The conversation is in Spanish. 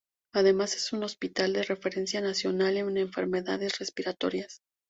Además es un hospital de referencia nacional en enfermedades respiratorias.